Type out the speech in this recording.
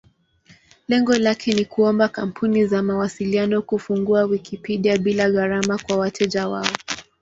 Lengo lake ni kuomba kampuni za mawasiliano kufungua Wikipedia bila gharama kwa wateja wao.